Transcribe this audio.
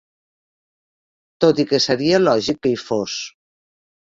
Tot i que seria lògic que hi fos.